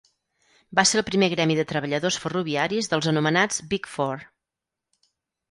Va ser el primer gremi de treballadors ferroviaris dels anomenats "Big Four".